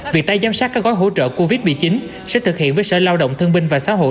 việc tay giám sát các gói hỗ trợ covid một mươi chín sẽ thực hiện với sở lao động thương binh và xã hội